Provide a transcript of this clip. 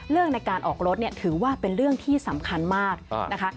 เรื่องในการออกรถเนี่ยถือว่าเป็นเรื่องที่สำคัญมากนะคะ